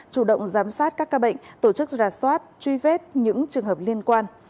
chủ động giám sát các ca bệnh tổ chức ra soát truy vết những trường hợp liên quan